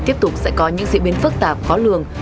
tiếp tục sẽ có những diễn biến phức tạp khó lường